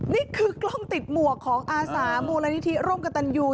นี่คือกล้องติดหมวกของอาสามูลนิธิร่วมกับตันยู